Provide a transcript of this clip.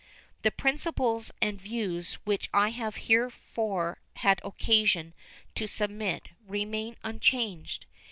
The principles and views which I have heretofore had occasion to submit remain unchanged.